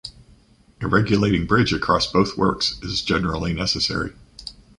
A regulating bridge across both works is generally necessary.